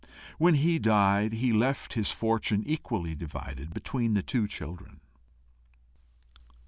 When he died, he left his fortune equally divided between the two children.